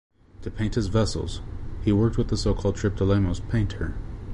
To paint his vessels, he worked with the so-called Triptolemos painter.